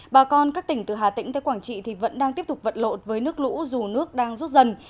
bà con các tỉnh từ hà tĩnh tới quảng trị vẫn đang tiếp tục vận lộn với nước lũ dù nước đang rút dần